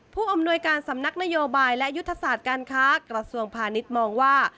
ผู้อำนวยการสำนักนโยบายและยุทธศาสตร์การค้ากระทรวงพาณิชย์มองว่า